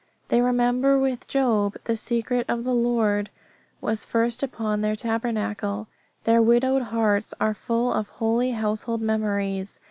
They remember, with Job, when the secret of the Lord was first upon their tabernacle. Their widowed hearts are full of holy household memories.